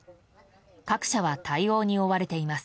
各社は対応に追われています。